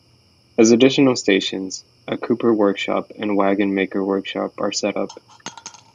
As additional stations, a cooper workshop and a wagon-maker workshop are set up.